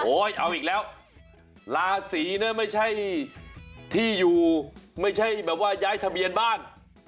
เอาอีกแล้วลาศีเนี่ยไม่ใช่ที่อยู่ไม่ใช่แบบว่าย้ายทะเบียนบ้าน